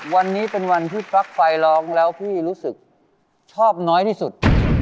วันนี้เป็นวันที่ปลั๊กไฟร้องแล้วพี่รู้สึกชอบน้อยที่สุด